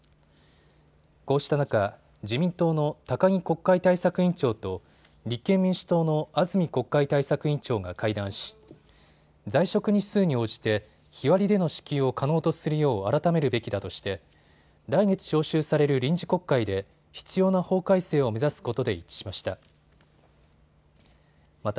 こうした中、自民党の高木国会対策委員長と立憲民主党の安住国会対策委員長が会談し在職日数に応じて日割りでの支給を可能とするよう改めるべきだとして来月召集される臨時国会で必要な法改正を目指すことで一致しました。